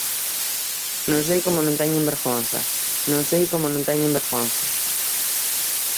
Non sei como non teñen vergonza, non sei como non teñen vergonza.